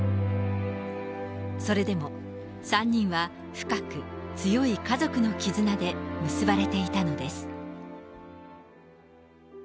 それでも、３人は深く強い家族の絆で結ばれていたのです。